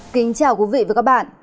kính chào quý vị và các bạn